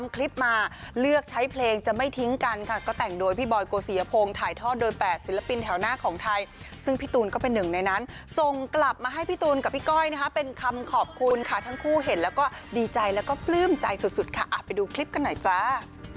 ก็จะเป็นหนึ่งในนั้นซงกลับมาให้พี่ตูนกับพี่ก้อยเป็นคำขอบคุณค่ะทั้งคู่เห็นแล้วก็ดีใจแล้วก็พลื้มใจสุดค่ะไปดูคลิปกันหน่อยใจ